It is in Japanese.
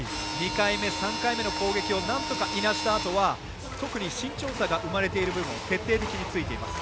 ２回目、３回目の攻撃をなんとか、いなしたあとは特に身長差が生まれている部分を徹底的についています。